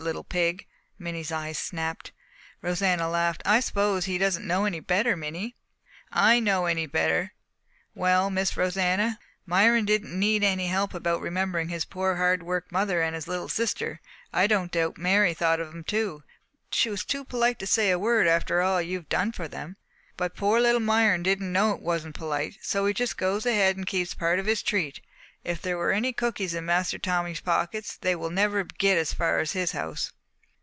Little pig!" Minnie's eyes snapped. Rosanna laughed. "I suppose he doesn't know any better, Minnie." "Know any better? Well, Miss Rosanna, Myron didn't need any help about remembering his poor hard worked mother and his sick sister. I don't doubt Mary thought of 'em too, but she was too polite to say a word after all you have done for them. But poor little Myron didn't know it wasn't polite, so he just goes ahead and keeps part of his treat. If there are any cookies in Master Tommy's pockets, they will never get as far as his house."